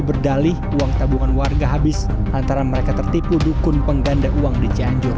berdalih uang tabungan warga habis antara mereka tertipu dukun pengganda uang di cianjur